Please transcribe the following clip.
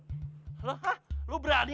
loh hah lu berani